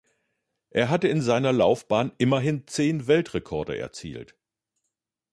Er hatte in seiner Laufbahn immerhin zehn Weltrekorde erzielt.